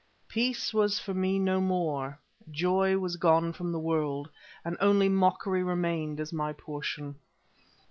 Peace was for me no more, joy was gone from the world, and only mockery remained as my portion.